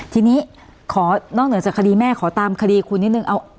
ทีนี้ขอนอกเหนือจากคดีแม่ขอตามคดีคุณนิดนึง